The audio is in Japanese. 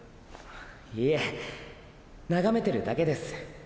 いえ眺めてるだけです。